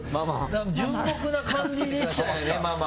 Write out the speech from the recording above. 純朴な感じでしたよね、ママ。